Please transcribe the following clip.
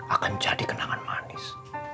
akan jadi kenangan manis